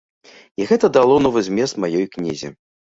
І гэта дало новы змест маёй кнізе.